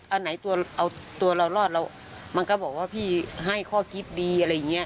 อันไหนตัวเอาตัวเรารอดแล้วมันก็บอกว่าพี่ให้ข้อคิดดีอะไรอย่างนี้